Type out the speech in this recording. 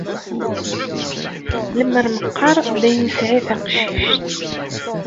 Lemmer meqqar d ay nesɛi taqcict!